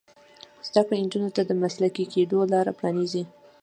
زده کړه نجونو ته د مسلکي کیدو لار پرانیزي.